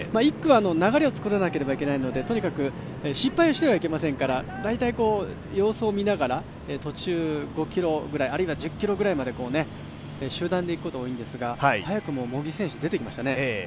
１区は流れを作らなければいけないのでとにかく失敗をしてはいけませんから大体様子を見ながら途中、５ｋｍぐらい、あるいは１０ｋｍぐらいまで集団で行くことが多いんですが、早くも茂木選手、出てきましたね。